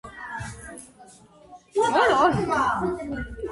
ათოფსუმაშ წამალ ღოლეს დო მაჟია ქოდიჭყუა.„ჩაფსმის წამალი გაუკეთეს და მეორე დაიწყოო